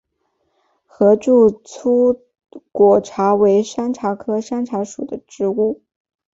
合柱糙果茶为山茶科山茶属的植物。